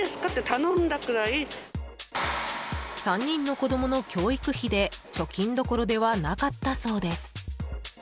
３人の子供の教育費で貯金どころではなかったそうです。